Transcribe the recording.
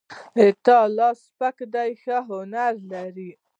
د تا لاس سپک ده ښه هنر لري